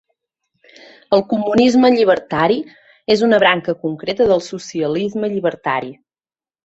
El comunisme llibertari és una branca concreta del socialisme llibertari.